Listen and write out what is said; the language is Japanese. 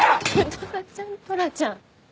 トラちゃんトラちゃん。